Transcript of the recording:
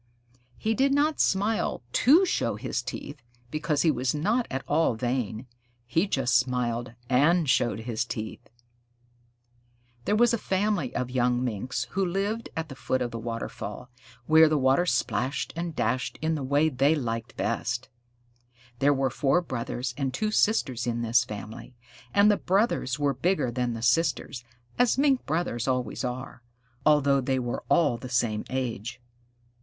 He did not smile to show his teeth, because he was not at all vain. He just smiled and showed his teeth. [Illustration: USED TO FOLLOW HIM AROUND. Page 191] There was a family of young Minks who lived at the foot of the waterfall, where the water splashed and dashed in the way they liked best. There were four brothers and two sisters in this family, and the brothers were bigger than the sisters (as Mink Brothers always are), although they were all the same age.